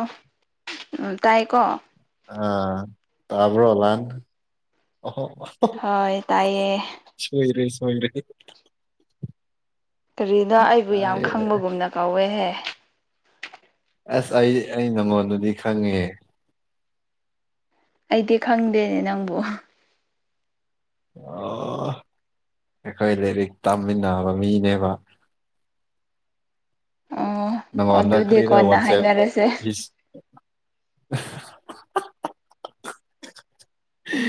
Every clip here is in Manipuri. ꯑꯣ ꯎꯝ ꯇꯥꯏꯀꯣ ꯑ ꯇꯕ꯭ꯔꯣ ꯂꯥꯟ ꯑꯣ ꯍꯣꯏ ꯇꯥꯏꯌꯦ ꯁꯣꯏꯣꯏꯔꯦ ꯁꯣꯏꯔꯦ ꯀꯔꯤꯅ ꯑꯩꯕꯨ ꯌꯥꯝ ꯑꯩ ꯈꯪꯕꯒꯨꯝꯅ ꯀꯧꯋꯦꯍꯦ ꯑꯁ ꯑꯩ ꯑꯩ ꯅꯉꯣꯟꯗꯗꯤ ꯈꯪꯉꯦ ꯑꯩꯗꯤ ꯈꯪꯗꯦꯅꯦ ꯅꯪꯕꯨ ꯑꯣ ꯑꯩꯈꯣꯏ ꯂꯥꯏꯔꯤꯛ ꯇꯥꯃꯤꯟꯅꯕ ꯃꯤꯅꯦꯕ ꯑꯣ ꯅꯪꯉꯣꯟꯗ ꯑꯗꯨꯗꯤ ꯀꯔꯤꯔ ꯀꯣꯟꯅ ꯋꯥꯆꯦꯞ ꯍꯥꯏꯅꯔꯁꯦ ꯍꯤꯁ [unintelligible] [unintelligible]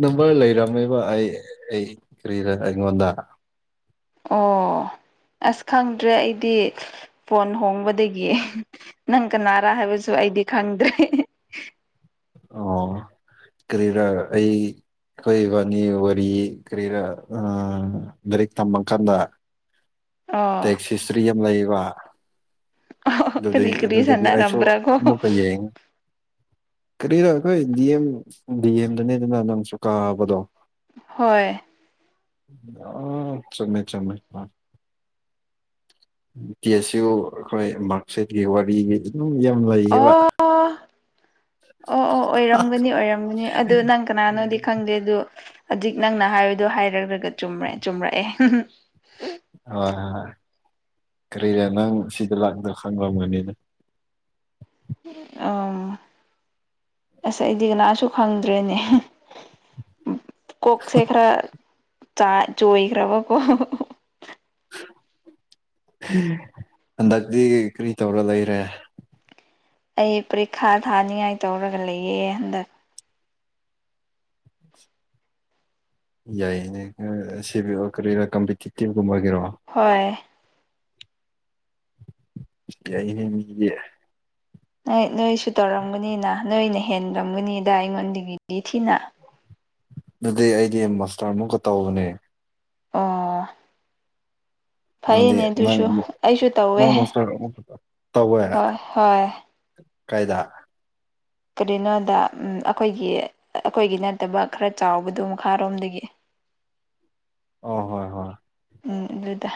ꯅꯝꯕꯔ ꯂꯩꯔꯝꯃꯦꯕ ꯑꯩ ꯑꯩ ꯀꯔꯤꯗ ꯑꯩꯉꯣꯟꯗ ꯑꯣ ꯑꯁ ꯈꯪꯗ꯭ꯔꯦ ꯑꯩꯗꯤ ꯐꯣꯟ ꯍꯣꯡꯕꯗꯒꯤ ꯅꯪ ꯀꯅꯥꯔꯥ ꯍꯥꯏꯕꯁꯨ ꯑꯩꯗꯤ ꯈꯪꯗ꯭ꯔꯦ ꯑꯣ ꯀꯔꯤꯔ ꯑꯩ ꯑꯩꯈꯣꯏ ꯏꯕꯥꯅꯤ ꯋꯥꯔꯤ ꯀꯔꯤꯔꯥ ꯂꯥꯏꯔꯤꯛ ꯇꯝꯃ ꯀꯥꯟꯗ [unintelligible] ꯑꯣ ꯇꯦꯛꯁꯤ ꯁꯇ꯭ꯔꯤ ꯑꯃ ꯂꯩꯕ ꯀꯔꯤ ꯑꯗꯨꯩ ꯀꯔꯤ ꯑꯗꯨꯗꯒꯤ ꯑꯩꯁꯨ ꯁꯥꯟꯅꯔꯝꯕ꯭ꯔꯥꯀꯣ ꯑꯃꯨꯛꯀ ꯌꯦꯡꯉ ꯀꯔꯤꯅꯣ ꯑꯩꯈꯣꯏ ꯗꯤꯦꯝ ꯗꯤꯦꯝꯗꯅꯦꯗꯅ ꯅꯪ ꯀꯥꯕꯗꯣ ꯍꯣꯏ ꯑꯥ ꯆꯨꯝꯃꯦ ꯆꯨꯝꯃꯦ ꯑ ꯇꯤ ꯑꯦꯁ ꯌꯨ ꯑꯩꯈꯣꯏ ꯃꯥꯔꯛꯁꯤꯠꯀꯤ ꯋꯥꯔꯤꯒꯤ ꯅꯨꯡ ꯌꯥꯝ ꯂꯩꯌꯦꯕ ꯑꯣ ꯑꯣ ꯑꯣ ꯑꯣꯏꯔꯝꯒꯅꯤ ꯑꯣꯏꯔꯝꯒꯅꯤ ꯑꯗꯨ ꯅꯪ ꯀꯅꯥꯅꯣꯗꯤ ꯍꯣꯏ ꯈꯪꯗꯦ ꯑꯗꯨ ꯍꯧꯖꯤꯛ ꯅꯪꯅ ꯍꯥꯏꯕꯗꯣ ꯍꯥꯏꯔꯒ ꯆꯨꯝꯦ ꯆꯨꯝꯔꯛꯑꯦ ꯍ ꯍꯣꯏ ꯍꯣꯏ ꯀꯔꯤꯔ ꯅꯪ ꯁꯤꯗ ꯂꯥꯛꯗ ꯈꯪꯕꯝꯒꯅꯤꯅ ꯑꯣ ꯑꯁ ꯑꯩꯗꯤ ꯀꯅꯥꯁꯨ ꯈꯪꯗ꯭ꯔꯦꯅꯦ ꯀꯣꯛꯁꯦꯈ꯭ꯔ ꯆꯥ ꯆꯍꯤꯈ꯭ꯔꯕ ꯀꯣ ꯍꯟꯗꯛꯇꯤ ꯀꯔꯤ ꯇꯧꯔ ꯂꯩꯔꯦ ꯑꯩ ꯄꯔꯤꯈꯥ ꯊꯥꯅꯤꯉꯥꯏ ꯇꯧꯔꯒ ꯂꯩꯌꯦꯦ ꯍꯟꯗꯛ ꯌꯥꯏꯅꯦ ꯁꯤ ꯀꯔꯤꯔ ꯀꯝꯤꯤꯒꯨꯝꯕꯒꯤꯦꯔ ꯍꯣꯏ ꯌꯥꯏꯅꯦ ꯅꯣꯏ ꯅꯣꯏꯁꯨ ꯇꯧꯔꯝꯒꯅꯤꯅ ꯅꯣꯏꯅ ꯍꯦꯟꯂꯝꯝꯒꯅꯤꯗ ꯑꯩꯉꯣꯟꯗꯒꯤꯗꯤ ꯊꯤꯅ [unintelligible] ꯑꯗꯨꯗꯤ ꯑꯩꯗꯤ ꯃꯁꯇꯔ ꯑꯃꯨꯛꯀ ꯇꯧꯕꯅꯦ ꯑꯣ ꯅꯪꯗꯤ ꯐꯩꯅꯦ ꯅꯪ ꯑꯗꯨꯁꯨ ꯑꯩꯁꯨ ꯇꯧꯋꯦ ꯑꯃꯛ ꯅꯣꯁꯇꯔ ꯇꯧꯕ ꯍꯥꯏꯔ ꯍꯣꯏ ꯍꯣꯏ ꯀꯥꯏꯗ ꯀꯔꯤꯅꯣꯗ ꯑꯩꯈꯣꯏꯒꯤ ꯑꯩꯈꯣꯏꯒꯤ ꯅꯠꯇꯕ ꯈꯔ ꯆꯥꯎꯕꯗꯣ ꯃꯈꯥꯔꯣꯝꯗꯒꯤ [unintelligible] ꯑ ꯍꯣꯏ ꯍꯣꯏ ꯎꯝ ꯑꯗꯨꯒꯗ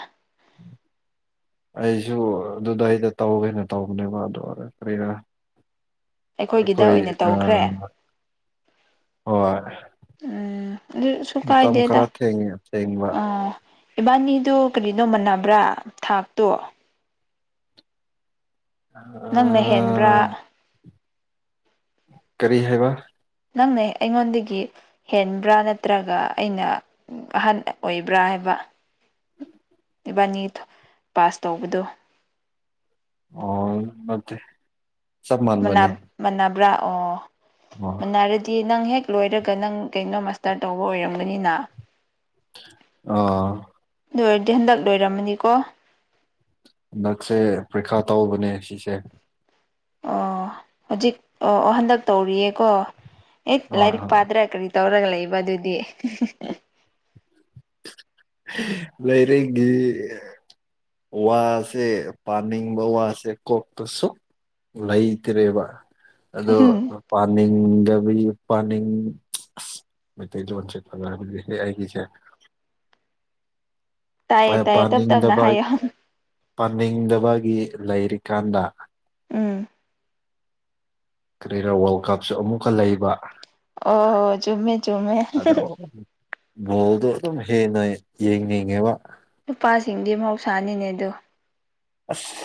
ꯑꯩꯁꯨ ꯑꯗꯨꯗ ꯑꯩꯗ ꯇꯧꯒꯦꯅ ꯇꯧꯕꯅꯦꯕ ꯑꯗꯨ ꯑꯣꯏꯔ ꯀꯔ ꯑꯩꯈꯣꯏꯒꯤꯗ ꯀꯣꯏ ꯑꯣꯏꯅ ꯑ ꯇꯧꯈ꯭ꯔꯦ ꯋꯥ ꯎꯝ ꯑꯗꯨꯁꯨ ꯃꯇꯝ ꯀꯥꯏꯗꯦꯗ ꯈꯔ ꯊꯦꯡꯉꯦ ꯊꯦꯡꯕ ꯑꯥ ꯏꯕꯥꯅꯤꯗꯨ ꯀꯔꯤꯅꯣꯃꯕ꯭ꯔꯥ ꯊꯥꯛꯇꯣ ꯅꯪꯅ ꯍꯦꯟꯕ꯭ꯔꯥ ꯀꯔꯤ ꯍꯥꯏꯕ ꯅꯪꯅꯦ ꯑꯩꯉꯣꯟꯗꯒꯤ ꯍꯦꯟꯕ꯭ꯔꯥ ꯅꯠꯇ꯭ꯔꯒ ꯑꯩꯅ ꯑꯍꯟ ꯑꯣꯏꯕ꯭ꯔꯥ ꯍꯥꯏꯕ ꯏꯕꯥꯅꯤ ꯄꯥꯁ ꯇꯧꯕꯗꯣ ꯑꯣ ꯃꯦ ꯃꯅꯕ꯭ꯔꯥ ꯑꯣ ꯑꯣ ꯃꯅꯔꯗꯤ ꯅꯪ ꯍꯦꯛ ꯂꯣꯏꯔꯒ ꯅꯪ ꯀꯩꯅꯣ ꯃꯥꯁꯇꯔ ꯇꯧꯕ ꯑꯣꯏꯔꯝꯒꯅꯤꯅ ꯑ ꯂꯣꯏꯔꯗꯤ ꯍꯟꯗꯛ ꯂꯣꯏꯔꯝꯃꯅꯤꯀꯣ ꯍꯟꯗꯛꯁꯦ ꯄ꯭ꯔꯤꯈꯥ ꯇꯧꯕꯅꯦ ꯁꯤꯁꯦ ꯑꯣ ꯍꯧꯖꯤꯛ ꯑꯣ ꯑꯣ ꯍꯟꯗꯛ ꯇꯧꯔꯤꯌꯦꯀꯣ ꯑꯦ ꯍꯣꯏ ꯂꯥꯏꯔꯤꯛ ꯍꯣꯏ ꯄꯥꯗ꯭ꯔꯥ ꯀꯔꯤ ꯇꯧꯔꯒ ꯂꯩꯕ ꯑꯗꯨꯗꯤ ꯂꯩꯔꯦꯒꯤ ꯋꯥꯁꯦ ꯄꯅꯤꯕ ꯋꯥꯁꯦ ꯀꯣꯛ ꯇ ꯁ ꯂꯩꯇ꯭ꯔꯦꯕ ꯑꯗꯣ ꯎꯝ ꯄꯥꯅꯤꯡꯗꯕꯤ ꯄꯥꯅꯤꯡ ꯃꯖ ꯆꯦ ꯄ ꯍꯥꯏꯁ ꯇꯥꯏꯌꯦ ꯇꯥꯏꯌꯦ ꯇꯞ ꯇꯞꯅ ꯄꯥꯅꯤꯡꯗꯕ ꯍꯥꯏꯌꯣ ꯄꯥꯅꯤꯡꯗꯕꯒꯤ ꯂꯩꯔꯤꯀꯥꯟꯗ ꯎꯝ ꯀꯔꯤꯔ ꯋꯥꯔꯜ ꯀꯞꯁꯨ ꯑꯃꯨꯛꯀ ꯂꯩꯕ ꯑꯣ ꯆꯨꯝꯃꯦ ꯆꯨꯝꯃꯦ ꯑꯗꯣ ꯕꯣꯜꯗꯣ ꯑꯗꯨꯝ ꯍꯦꯟꯅ ꯌꯦꯡꯅꯤꯡꯉꯦꯕ ꯅꯨꯄꯥꯁꯤꯡꯗꯤ ꯃꯍꯧꯁꯥꯅꯤꯅꯦ ꯑꯗ ꯑꯁ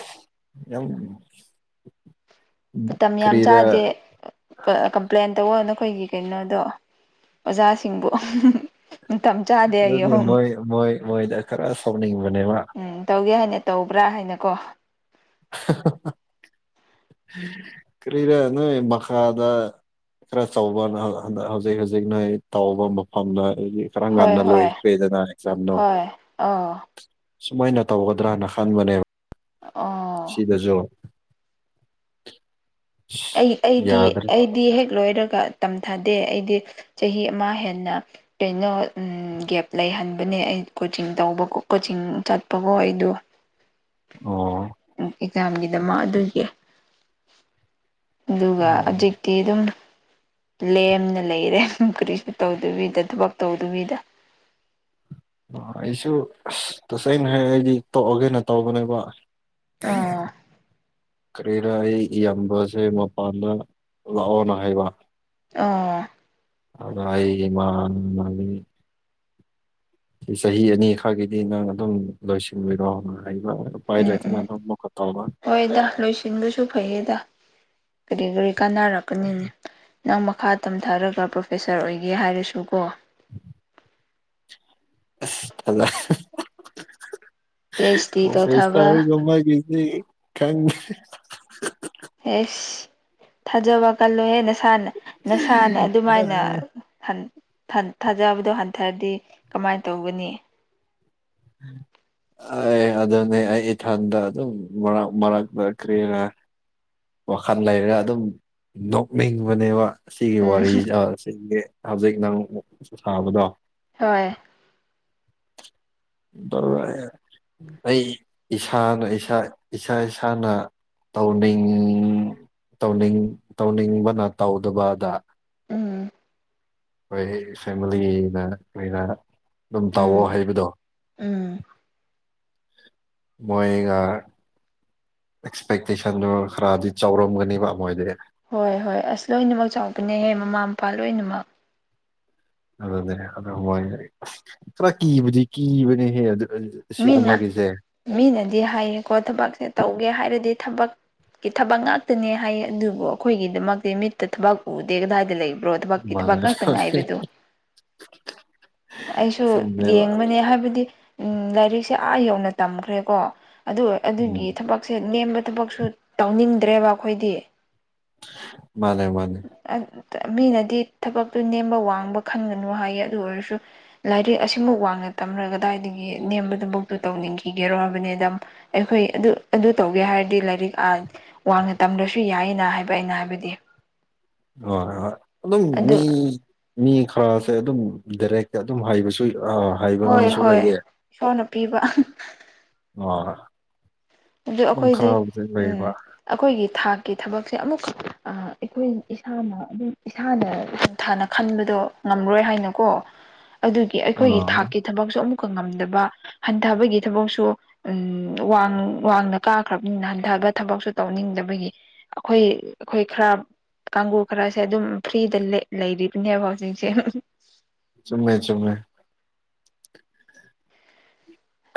ꯃꯇꯝ ꯌꯥꯝ ꯀꯔꯤꯔ ꯆꯥꯗꯦ ꯀꯝꯄ꯭ꯂꯦꯟ ꯇꯧꯕ ꯅꯈꯣꯏꯒꯤ ꯀꯩꯅꯣꯗꯣ ꯑꯣꯖꯥꯁꯤꯡꯕꯨ ꯃꯇꯝ ꯆꯥꯗꯦ ꯑꯩ ꯑꯗꯨꯅꯤ ꯑꯍꯨꯝ ꯃꯣꯏ ꯃꯣꯏ ꯃꯣꯏꯗ ꯈꯔ ꯁꯥꯎꯅꯤꯡꯕꯅꯦꯕ ꯎꯝ ꯇꯧꯒꯦ ꯍꯥꯏꯅꯤ ꯇꯧꯕ꯭ꯔꯥ ꯍꯥꯏꯅꯀꯣ [unintelligible] ꯀꯔꯤꯔꯅ ꯃꯁꯥꯗ ꯈꯔ ꯆꯥꯎꯧꯕ ꯍꯧꯖꯤꯛ ꯍꯧꯖꯤꯛꯅ ꯇꯥꯎꯕ ꯃꯐꯝꯗ ꯑꯗꯒꯤ ꯀꯔꯝ ꯍꯣꯏ ꯀꯥꯟꯗ ꯍꯣꯏ ꯂꯣꯏꯈ꯭ꯔꯦꯗꯅ ꯑꯦꯛꯖꯥꯝꯅꯣ ꯍꯣꯏ ꯑꯥ ꯁꯨꯃꯥꯏꯅ ꯇꯧꯒꯗ꯭ꯔꯅ ꯈꯟꯕꯅꯦꯕ ꯑꯣ ꯁꯤꯗꯁꯨ ꯑꯩ ꯑꯩꯗꯤ ꯌꯥꯗ꯭ꯔꯦ ꯑꯩꯗꯤ ꯍꯦꯛ ꯂꯣꯏꯔꯒ ꯇꯝꯊꯥꯗ ꯗꯦ ꯑꯩꯗꯤ ꯆꯍꯤ ꯑꯃ ꯍꯦꯟꯅ ꯀꯩꯅꯣ ꯒꯦꯞ ꯂꯩꯍꯟꯕꯅꯦ ꯑꯩ ꯀꯣꯆꯤꯡ ꯇꯧꯕ ꯀꯣꯆꯤꯡ ꯆꯠꯄꯀꯣ ꯑꯩꯗꯣ ꯑꯣ ꯑꯦꯛꯖꯥꯝꯒꯤꯗꯃꯛ ꯑꯗꯨꯒꯤ ꯑꯗꯨꯒ ꯑꯣ ꯍꯧꯖꯤꯛꯇꯤ ꯑꯗꯨꯝ ꯂꯦꯝꯅ ꯂꯩꯔꯦ ꯀꯔꯤꯁꯨ ꯇꯧꯗꯕꯤꯗ ꯊꯕꯛ ꯇꯧꯗꯕꯤꯗ [inaudible] ꯑꯩꯁꯨ ꯇꯁꯦꯡꯅ ꯍꯥꯏꯔ ꯑꯩꯗꯤ ꯇꯣꯛꯑꯒꯦꯅ ꯇꯧꯕꯅꯦꯕ ꯑꯥ [unintelligible] ꯀꯔꯤꯔ ꯑꯩ ꯏꯌꯥꯝꯕꯁꯦ ꯃꯄꯥꯟꯗ ꯂꯥꯛꯑꯣꯅ ꯍꯥꯏꯕ ꯑꯥ ꯑ ꯑꯩ ꯃꯥ ꯃꯥꯅꯤ ꯆꯍꯤ ꯑꯅꯤ ꯈꯛꯒꯤꯗꯤ ꯅꯪ ꯑꯗꯨꯝ ꯂꯣꯏꯁꯤꯟꯕꯤꯔꯣ ꯎꯝ ꯎꯝ ꯍꯣꯏꯗ [unintelligible] ꯂꯣꯏꯁꯤꯟꯕꯁꯨ ꯐꯩꯌꯦꯗ ꯀꯔꯤ ꯀꯔꯤ ꯀꯥꯟꯅꯔꯛꯀꯅꯤꯅꯦ ꯅꯪ ꯃꯈꯥ ꯇꯝꯊꯔꯒ ꯄ꯭ꯔꯣꯐꯦꯁꯔ ꯑꯣꯏꯒꯦ ꯍꯥꯏꯔꯁꯨ ꯀꯣ [inaudible] ꯑꯁ ꯄꯤ ꯑꯩꯆ ꯗꯤ ꯑꯣ ꯇꯧꯊꯕ ꯐꯦꯁꯥꯔ ꯅꯣꯡꯃꯩꯒꯤꯗꯤ ꯈꯪꯗꯔꯦ ꯑꯦꯁ ꯊꯥꯖꯕ ꯀꯜꯂꯨꯍꯦ ꯅꯁꯥꯅ ꯅꯁꯥꯅ ꯑꯗꯨꯃꯥꯏꯅ ꯈꯟ ꯊꯥ ꯊꯥꯖꯕꯗꯣ ꯍꯟꯊꯔꯗꯤ ꯀꯃꯥꯏꯟ ꯇꯧꯒꯅꯤ꯫ [unintelligible] ꯑꯦ ꯑꯗꯨꯅꯦ ꯑꯩ ꯏꯊꯟꯗ ꯑꯗꯨꯝ ꯃꯔꯛ ꯃꯔꯛꯇ ꯀꯔꯤꯔ ꯋꯥꯈꯜ ꯂꯩꯔꯒ ꯑꯗꯨꯝ ꯅꯣꯛꯅꯤꯡꯕꯅꯦꯕ ꯁꯤꯒꯤ ꯎꯝ ꯋꯥꯔꯤ ꯁꯥꯕꯁꯤꯗꯤ ꯍꯧꯖꯤꯛ ꯅꯪ ꯁꯥꯕꯗꯣ ꯍꯣꯏ ꯇꯜꯂꯦ ꯑꯩ ꯏꯁꯥꯅ ꯏꯁꯥ ꯏꯁꯥ ꯏꯁꯥꯅ꯫ ꯇꯧꯅꯤꯡ ꯇꯧꯅꯤꯡ ꯇꯧꯅꯤꯡꯕꯅ ꯇꯧꯗꯕꯗ꯫ ꯎꯝ ꯍꯣꯏ ꯐꯦꯃꯤꯂꯤꯅ ꯂꯩꯅ ꯑꯗꯨꯝ ꯇꯧꯑꯣ ꯎꯝ ꯍꯥꯏꯕꯗꯣ꯫ ꯎꯝ ꯃꯣꯏꯒ ꯑꯦꯛꯁꯄꯦꯛꯇꯦꯁꯟꯗꯣ ꯈꯔꯗꯤ ꯆꯥꯎꯔꯝꯒꯅꯦꯕ ꯃꯣꯏꯗꯤ ꯍꯣꯏ ꯍꯣꯏ ꯑꯁ ꯂꯣꯏꯅꯃꯛ ꯆꯥꯎꯕꯅꯦꯍꯦ ꯃꯃꯥ ꯃꯄꯥ ꯂꯣꯏꯅꯃꯛ ꯑꯗꯨꯅꯦ ꯑꯗꯨ ꯍꯣꯏ ꯈꯔ ꯀꯤꯕꯨꯗꯤ ꯀꯤꯕꯅꯦꯍꯦ ꯑꯗꯨ ꯃꯤꯅ ꯑꯁꯤꯒꯨꯝꯕꯒꯤꯁꯦ ꯃꯤꯅꯗꯤ ꯍꯥꯏꯌꯦꯀꯣ ꯊꯕꯛꯁꯦ ꯇꯧꯒꯦ ꯍꯥꯏꯔꯗꯤ ꯊꯕꯛ ꯀꯤ ꯊꯕꯛ ꯉꯥꯛꯇꯅꯦ ꯍꯥꯏꯌꯦ ꯑꯗꯨꯕꯨ ꯑꯩꯈꯣꯏꯒꯤꯗꯃꯛꯇꯤ ꯃꯤꯠꯇ ꯊꯕꯛ ꯎꯗꯦ ꯀꯗꯥꯏꯗ ꯂꯩ ꯔꯣ ꯊꯕꯛꯀꯤ ꯊꯕꯛ ꯃꯥꯅꯦ ꯉꯇ ꯉꯥꯏꯕꯗꯨ ꯑꯩꯁꯨ ꯆꯨꯝꯃꯦꯕ ꯌꯦꯡꯕꯅꯦ ꯍꯥꯏꯕꯗꯤ ꯂꯥꯏꯔꯤꯛꯁꯦ ꯑꯥ ꯌꯧꯅ ꯇꯝꯈ꯭ꯔꯦꯀꯣ ꯑꯗꯨ ꯎꯝ ꯑꯗꯨꯒꯤ ꯊꯕꯛꯁꯦ ꯅꯦꯝꯕ ꯊꯕꯛꯁꯨ ꯇꯧꯅꯤꯡꯗ꯭ꯔꯦꯕ ꯑꯩꯈꯣꯏꯗꯤ ꯃꯥꯅꯦ ꯃꯥꯅꯦ ꯃꯤꯅꯗꯤ ꯊꯕꯛꯇꯨ ꯅꯦꯝꯕ ꯋꯥꯡꯕ ꯈꯟꯒꯅꯨ ꯍꯥꯏꯌꯦ ꯑꯗꯨ ꯑꯣꯏꯔꯁꯨ ꯂꯥꯏꯔꯤꯛ ꯑꯁꯤꯃꯨꯛ ꯋꯥꯡꯉ ꯇꯝꯔ ꯀꯗꯥꯏꯗꯒꯤ ꯅꯦꯝꯕꯗꯨꯐꯥꯎꯗ ꯇꯧꯅꯤꯡꯈꯤꯒꯦꯔꯣ ꯍꯥꯏꯕꯅꯤꯗ ꯑꯩꯈꯣꯏ ꯑꯗꯨ ꯑꯗꯨ ꯇꯧꯒꯦ ꯍꯥꯏꯔꯗꯤ ꯂꯥꯏꯔꯤꯛ ꯋꯥꯡꯅ ꯇꯝꯗ꯭ꯔꯁꯨ ꯌꯥꯏꯌꯦꯅ ꯍꯥꯏꯕ ꯑꯩꯅ ꯍꯥꯏꯕꯗꯤ ꯍꯣꯏ ꯍꯣꯏ ꯑꯗꯨꯝ ꯑꯗꯨ ꯃꯤ ꯃꯤ ꯈꯔꯁꯦ ꯑꯗꯨꯝ ꯗꯥꯏꯔꯦꯛꯇ ꯑꯗꯨꯝ ꯍꯥꯏꯕꯁꯨ ꯑ ꯍꯥꯏꯕ ꯍꯣꯏ ꯃꯤꯁꯨ ꯍꯣꯏ ꯂꯩꯌꯦ ꯏꯁꯣꯔꯅ ꯄꯤꯕ ꯑꯣ ꯑꯗꯨ ꯑꯩꯈꯣꯏꯗꯤ ꯎ ꯑꯩꯈꯣꯏꯒꯤ ꯊꯥꯛ ꯀꯤ ꯊꯕꯛꯁꯦ ꯑꯃꯨꯛꯈꯛ ꯑꯩꯈꯣꯏ ꯏꯁꯥꯅ ꯑꯗꯨꯝ ꯏꯁꯥꯅ ꯍꯟꯊꯥꯅ ꯈꯟꯕꯗꯣ ꯉꯝꯔꯣꯏ ꯍꯥꯏꯅꯀꯣ ꯑꯗꯨꯒꯤ ꯑ ꯑꯩꯈꯣꯏꯒꯤ ꯊꯥꯛꯀꯤ ꯊꯕꯛꯁꯨ ꯑꯃꯨꯛ ꯉꯝꯗꯕ ꯍꯟꯊꯕꯒꯤ ꯊꯕꯛꯁꯨ ꯎꯝ ꯋꯥꯡ ꯋꯥꯡꯅ ꯀꯥꯈ꯭ꯔꯕꯅꯤꯅ ꯍꯟꯊꯕ ꯊꯕꯛꯁꯨ ꯇꯧꯅꯤꯡꯗꯕꯒꯤ ꯑꯩꯈꯣꯏ ꯑꯩꯈꯣꯏ ꯈꯔ ꯀꯥꯡꯒꯨ ꯈꯔꯁꯦ ꯑꯗꯨꯝ ꯐ꯭ꯔꯤꯗ ꯂꯩ ꯂꯩꯔꯤꯕꯅꯦꯕ ꯍꯧꯖꯤꯛꯁꯦ ꯆꯨꯝꯃꯦ ꯆꯨꯝꯃꯦ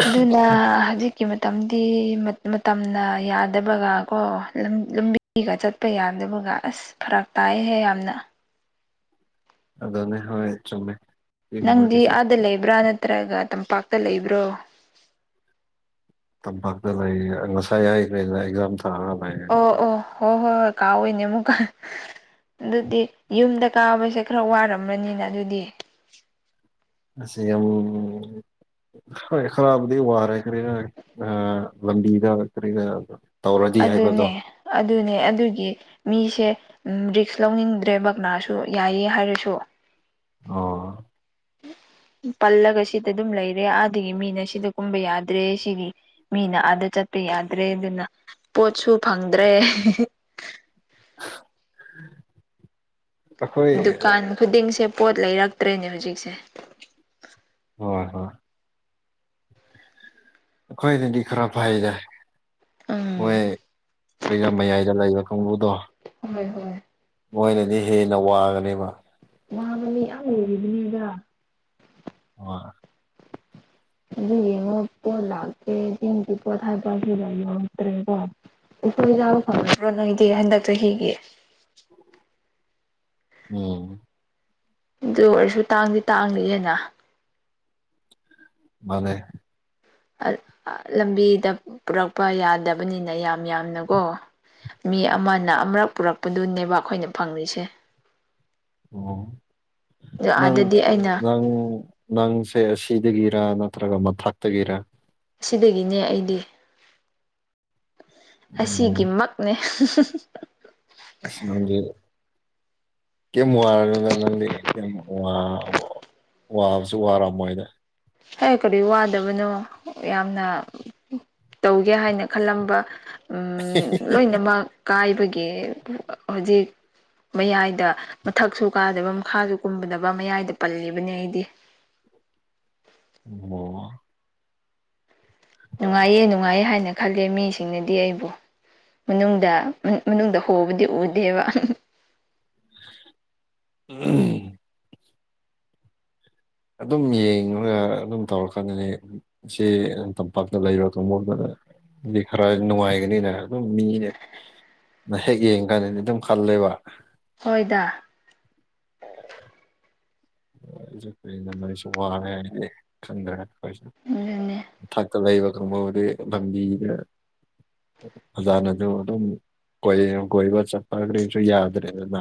ꯑꯗꯨꯅ ꯍꯧꯖꯤꯛ ꯀꯤ ꯃꯇꯝꯗꯤ ꯃꯇꯝꯅ ꯌꯥꯗꯕꯒ ꯀꯣ ꯂꯝ ꯂꯝꯕꯤꯒ ꯆꯠꯄ ꯌꯥꯟ ꯌꯗꯕꯒ ꯑꯁ ꯐꯔꯥꯛ ꯇꯥꯏꯍꯦ ꯌꯥꯝꯅ ꯑꯗꯨꯅꯦ ꯍꫭꯏ ꯆꯨꯝꯃꯦ ꯅꯪꯗꯤ ꯁꯤꯒꯨꯝꯕꯒꯤꯁꯦ ꯑꯥꯗ ꯂꯩꯕ꯭ꯔꯥ ꯅꯠꯇ꯭ꯔꯒ ꯇꯝꯄꯥꯛꯇ ꯂꯩꯕ꯭ꯔꯣ ꯇꯝꯄꯥꯛꯇ ꯂꯩꯌ‌ꯦ ꯉꯁꯥꯏ ꯍꯥꯏꯈ꯭ꯔꯦꯗ ꯑꯦꯛꯖꯥꯝ ꯊꯥꯔ ꯂꯩ ꯑꯣ ꯑꯣ ꯍꯣ ꯍꫭ ꯍꯣꯏ ꯍꯣꯏ ꯀꯥꯎꯋꯤꯏꯅꯦ ꯑꯃꯨꯛꯀ ꯑꯗꯨꯗꯤ ꯌꯨꯝꯗ ꯀꯥꯕꯁꯦ ꯈꯔ ꯋꯥꯔꯝꯃꯅꯤꯅ ꯑꯗꯨꯗꯤ ꯁꯤ ꯌꯥꯝ ꯍꫭ ꯈꯔꯕꯨꯗꯤ ꯑꯋꯥꯔꯦ ꯀꫪꯤꫪ ꯑ ꯂꯝꯕꯤꯗ ꯀꯔꯤꯒ ꯑꯗꯨꯅꯦ ꯑꯗꯨꯅꯦ ꯑꯗꯨꯒꯤ ꯃꯤꯁꯦ ꯎꯝ ꯔꯤꯛꯁ ꯂꯧꯅꯤꯡꯗ꯭ꯔꯦꯕꯛ ꯀꯅꯥꯁꯨ ꯌꯥꯏꯌꯦ ꯍꯥꯏꯔꯁꯨ ꯑꯣ ꯎꯝ ꯄꯜꯂꯒ ꯁꯤꯗ ꯑꯗꯨꯝ ꯂꯩꯔꯦ ꯑꯥꯗꯒꯤ ꯃꯤꯅ ꯁꯤꯗ ꯀꯨꯝꯕ ꯌꯥꯗ꯭ꯔꯦ ꯁꯤꯒꯤ ꯃꯤꯅ ꯑꯥꯗ ꯆꯠ ꯌꯥꯗ꯭ꯔꯦ ꯑꯗꯨꯅ ꯄꯣꯠꯁꯨ ꯐꯪꯗ꯭ꯔꯦ [unintelligible] ꯗꯨꯀꯥꯟ ꯈꯨꯗꯤꯡꯁꯦ ꯄꯣꯠ ꯂꯩꯔꯛꯇ꯭ꯔꯦꯅꯦ ꯍꯧꯖꯤꯛꯁꯦ ꯍꯣꯏ ꯍꯣꯏ ꯑꯩꯈꯣꯏꯅꯦꯗꯤ ꯈꯔ ꯐꯩꯗ ꯎꯝ ꯍꯣꯏ ꯀꯔꯤ ꯃꯌꯥꯏꯗ ꯂꯩꯌ ꯀꯕꯨꯗꯣ ꯍꯣꯏ ꯍꯣꯏ ꯃꯣꯏꯒꯤꯗꯤ ꯍꯦꯟꯅ ꯋꯥꯒꯅꯦꯕ ꯋꯥꯕꯅ‌ꯦ ꯌꯥꯝ ꯑꯣꯏꯔꯤꯕꯅꯦꯒ ꯑ ꯑꯗꯨ ꯌꯦꯉꯄ ꯂꯥꯛꯦꯇ ꯀꯊꯥꯏ ꯄꯁꯤ ꯌꯠꯇ꯭ꯔꯦ ꯀꯣ ꯎꯨꯁꫭꯏ ꯆꯥꯕ ꯐꯪꯗ꯭ꯔꯣ ꯅꯪꯗꯤ ꯍꯟꯗꯛꯇ ꯆꯍꯤꯒꯤ ꯎꯝ ꯑꯗꯨ ꯑꯣꯏꯔꯁꯨ ꯇꯥꯡꯗꯤ ꯇꯥꯡꯂꯤꯑꯦꯅ ꯃꯅꯦ ꯑ ꯑ ꯂꯝꯕꯤꯗ ꯄꯨꯔꯛꯄ ꯌꯥꯗꯕꯅꯤꯅ ꯌꯥꯝ ꯌꯥꯝꯅꯀꯣ ꯃꯤ ꯑꯃꯅ ꯑꯃꯨꯔꯛ ꯄꯨꯔꯛꯄꯗꯨꯅꯦꯕ ꯑꯩꯈꯣꯏꯅ ꯐꯪꯂꯤꯁꯦ ꯑꯣ ꯑꯗꯣ ꯅꯪ ꯑꯥꯗꯗꯤ ꯑꯩꯅ ꯅꯪ ꯅꯪꯁꯦ ꯁꯤ ꯇꯒꯤꯔꯥ ꯅꯠꯇ꯭ꯔꯒ ꯃꯪꯊꯛꯇꯒꯦꯔ ꯁꯤꯗꯒꯤꯅ‌ꯦ ꯑꯩꯗꯤ ꯎꯝ ꯑꯁꯤꯒꯤꯃꯛꯅ‌ꯦ ꯑꯁ ꯅꯪꯗꯤ ꯀꯝ ꯋꯥ ꯀ ꯋꯥ ꯋꯥꯕꯁꯨ ꯋꯥꯔꯝꯃꯣꯏꯗ ꯍꯦ ꯀꯔꯤ ꯋꯥꯗꯕꯅꯣ ꯌꯥꯝꯅ ꯇꯧꯒꯦ ꯍꯥꯏꯅ ꯈꯜꯂꯝꯕ ꯎꯝ ꯂꯣꯏꯅꯃꯛ ꯀꯥꯏꯕꯒꯤ ꯀ ꯍꯧꯖꯤꯛ ꯃꯌꯥꯏꯗ ꯃꯊꯛꯁꯨ ꯀꯥꯗꯕ ꯃꯈꯥꯁꯨ ꯀꯨꯝꯕꯗꯕ ꯃꯌꯥꯏꯗ ꯄꯜꯂꯤꯕꯅꯦ ꯑꯩꯗꯤ ꯑꯣ ꯅꯨꯡꯉꯥꯏꯌꯦ ꯅꯨꯡꯉꯥꯏꯌꯦ ꯍꯥꯏꯅ ꯈꯂꯦ ꯃꯤꯁꯤꯡꯅꯗꯤ ꯑꯩꯕꯨ ꯃꯅꯨꯡꯗ ꯃꯅꯨꯡꯗ ꯍꯣꯕꯨꯗꯤ ꯎꯗꯦꯕ ꯎꯝ ꯑꯗꯨꯝ ꯌꯦꯡꯉꯒ ꯑꯗꯨꯝ ꯇꯧꯔꯀꯗꯅꯦ ꯁꯤ ꯇꯝꯄꯥꯛꯇ ꯂꯩꯔꯣ ꯈꯣꯡꯕꯗ ꯗꯤ ꯈꯔ ꯅꯨꯡꯉꯥꯏꯒꯅꯤꯅ ꯑꯗꯨꯝ ꯃꯤꯅꯦ ꯅ ꯍꯦꯛ ꯌꯦꯡꯀꯥꯟꯗꯗꯤ ꯑꯗꯨꯝ ꯈꯜꯂꯦꯕ ꯍꯣꯏꯗ ꯁꯨ ꯀꯔꯤꯅ ꯃꯔꯤꯁꯨ ꯋꯥꯔꯦ ꯍꯥꯏꯅꯗꯤ ꯈꯪꯗꯔꯦ ꯍ ꯑꯗꯨꯅꯦ ꯊꯛꯇ ꯂꯩꯕ ꯈꯪꯕꯕꯨꯗꯤ ꯐꯝꯕꯤꯗ ꯑꯣꯖꯥ ꯅ ꯑꯗꯨꯝ ꯀꯣꯏ ꯀꯣꯏꯕ ꯆꯠꯄꯈꯔꯤꯅꯁꯨ ꯌꯥꯗ꯭ꯔꯦꯗꯅ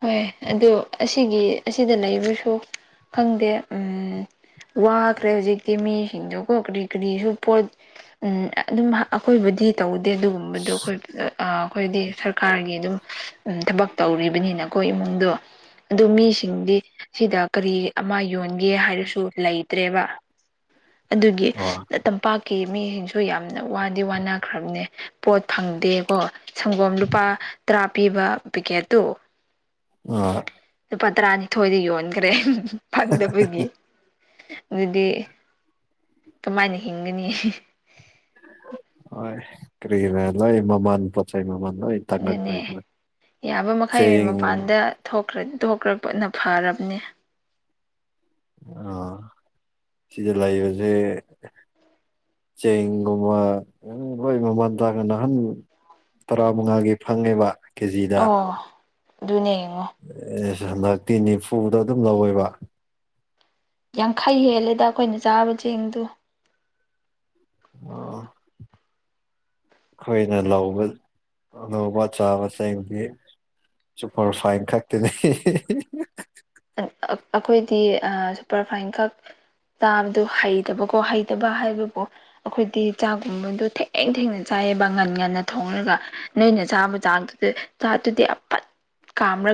ꯍꯣꯏ ꯑꯗꯨ ꯑꯁꯤꯒꯤ ꯑꯁꯤꯗ ꯂꯩꯕꯁꯨ ꯈꯪꯗꯦ ꯎ ꯋꯥꯈ꯭ꯔꯦ ꯍꯧꯖꯤꯛꯇꯤ ꯃꯤꯁꯤꯡꯗꯣꯀꯣ ꯀꯔꯤ ꯀꯔꯤꯁꯨ ꯄꯣꯠ ꯎꯝ ꯑꯗꯨꯝ ꯑꯩꯈꯣꯏꯕꯨꯗꯤ ꯇꯧ ꯑꯗꯨꯒꯨꯝꯕꯗꯣ ꯑꯩꯈꯣꯏ ꯑꯩꯈꯣꯏꯗꯤ ꯁꯔꯀꯥꯔꯒꯤ ꯑꯗꯨꯝ ꯊꯕꯛ ꯇꯧꯔꯤꯕꯅꯤꯅ ꯑꯩꯈꯣꯏ ꯏꯃꯨꯡꯗꯣ ꯑꯗꯨ ꯃꯤꯁꯤꯡꯗꯤ ꯁꯤꯗ ꯀꯔꯤ ꯑꯃ ꯌꯣꯟꯒꯦ ꯍꯥꯏꯔꯁꯨ ꯂꯩꯇ꯭ꯔꯦꯕ ꯑꯗꯨꯒꯤ ꯑꯣ ꯇꯝꯄꯥꯛꯀꯤ ꯀ ꯃꯤꯁꯤꯡꯁꯨ ꯌꯥꯝꯅ ꯋꯥꯗꯤ ꯋꯥꯅꯈ꯭ꯔꯕꯅꯦ ꯄꯣꯠ ꯐꯪꯗꯦꯀꯣ ꯁꯪꯒꯣꯝ ꯂꯨꯄꯥ ꯇꯔꯥ ꯄꯤꯕ ꯄꯤꯀꯦꯠꯇꯨ ꯑ ꯂꯨꯄꯥ ꯇꯔꯥꯅꯤꯊꯣꯏꯗ ꯌꯣꯟꯈ꯭ꯔꯦ ꯐꯪꯗꯕꯒꯤ ꯑꯗꯨꯗꯤ ꯀꯃꯥꯏꯅ ꯍꯤꯡꯒꯅꯤ [unintelligible] ꯑꯗꯨꯅꯦ ꯇꯥꯡꯈꯠꯈ꯭ꯔꯦꯗꯅ ꯌꯥꯕ ꯃꯈꯩ ꯆꯦꯡ ꯃꯄꯥꯟꯗ ꯊꯣꯛ ꯊꯣꯛꯣꯛꯈ꯭ꯔ ꯄꯣꯠꯅ ꯐꯥꯔꯕꯅꯦ [inaudible] ꯁꯤꯗꯥ ꯂꯥꯏꯕꯁꯦ ꯆꯦꯡꯒꯨꯝꯕ ꯎ ꯍꯣꯏ ꯃꯥꯃꯟ ꯇꯥꯡꯉꯦ ꯅꯍꯥꯟ ꯇꯔꯥꯃꯉꯥꯒꯤ ꯐꯪꯉꯤꯕ ꯀꯦꯖꯤꯗ ꯅꯦ ꯍꯟꯗꯛꯇꯤ ꯅꯤꯐꯨꯗ ꯑꯗꯨꯝ ꯂꯧꯋꯦꯕ ꯌꯥꯡꯈꯩ ꯍꯦꯜꯂꯦꯗ ꯑꯩꯈꯣꯏꯅ ꯆꯥꯕ ꯆꯦꯡꯗꯨ [inaudible] ꯑꯩꯈꯣꯏꯅ ꯂꯧꯕ ꯂꯧꯕ ꯆꯥꯕ ꯆꯦꯡꯗꯤ ꯁꯨꯄꯔꯐꯥꯜꯏ ꯈꯥꯛꯇꯅꯦ ꯑꯩꯈꯣꯏꯗꯤ ꯁꯨꯄꯔꯐꯥꯏꯟꯈꯛ ꯆꯥꯕꯗꯨ ꯍꯩꯇꯕꯀꯣ ꯍꯩꯇꯕ ꯍꯥꯏꯕꯕꯨ ꯑꯩꯈꯣꯏꯗꯤ ꯆꯥꯒꯨꯝꯕꯗꯨ ꯊꯦꯡ ꯊꯦꯡꯅ ꯆꯥꯏ ꯉꯟ ꯉꯟꯅꯥ ꯊꯣꯡꯉꯥꯒ ꯅꯣꯏꯅ ꯆꯥꯕ ꯆꯥꯛ ꯆꯥꯇꯨ ꯑꯠ ꯀꯥ